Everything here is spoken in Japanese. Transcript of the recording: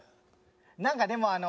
なんかでもあの。